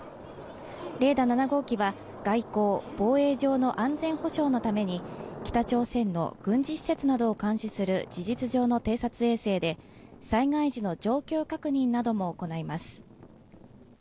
レーダ７号機は外交防衛上の安全保障のために北朝鮮の軍事施設などを監視する事実上の偵察衛星で災害時の状況確認なども行います